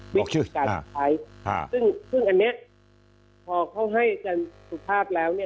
บอกชื่ออ่าซึ่งอันเนี้ยพอเขาให้อาจารย์สุขภาพแล้วเนี่ย